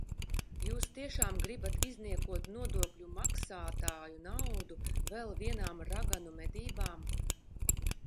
Jūs tiešām gribat izniekot nodokļu maksātāju naudu vēl vienām raganu medībām?